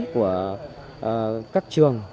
của các trường